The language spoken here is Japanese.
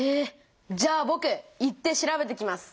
じゃあぼく行って調べてきます。